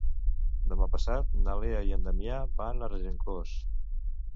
Demà passat na Lea i en Damià van a Regencós.